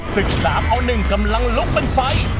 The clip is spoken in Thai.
สึกสามเอาหนึ่งกำลังลุกเป็นไฟ